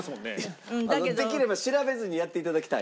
あのできれば調べずにやって頂きたい。